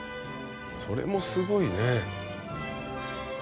それもすごいね。